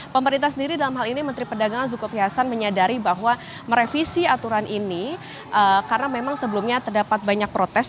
pemerintah sendiri dalam hal ini menteri perdagangan zulkifli hasan menyadari bahwa merevisi aturan ini karena memang sebelumnya terdapat banyak protes